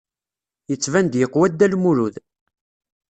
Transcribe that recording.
Yettban-d yeqwa Dda Lmulud.